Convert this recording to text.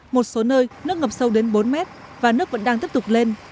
một số nơi nước ngập sâu đến bốn mét và nước vẫn đang tiếp tục lên